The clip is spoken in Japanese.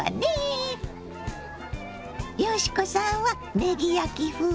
嘉子さんはねぎ焼き風？